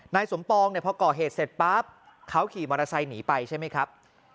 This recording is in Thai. นายสมปองเนี่ยพอก่อเหตุเสร็จปั๊บเขาขี่มอเตอร์ไซค์หนีไปใช่ไหมครับ